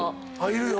いるよ。